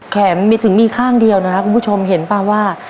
ถึงมีข้างเดียวนะครับคุณผู้ชมเห็นป่ะว่า